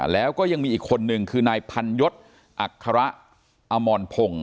แล้วก็ยังมีอีกคนนึงคือนายพันยศอัคระอมรพงศ์